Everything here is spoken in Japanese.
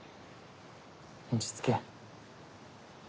落ち着け。